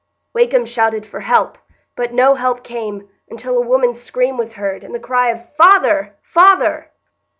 Wakem shouted for help, but no help came, until a woman's scream was heard, and the cry of "Father, father!"